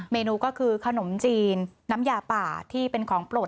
เมนูก็คือขนมจีนน้ำยาป่าที่เป็นของโปรด